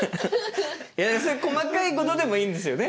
そういう細かいことでもいいんですよね。